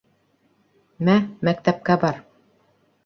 — Мә, мәктәпкә бар.